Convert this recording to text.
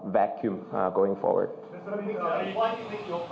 แบบเดินโถ่แบบออกพล่อ